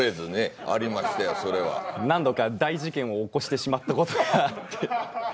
何度か大事件を起こしてしまったことがあって。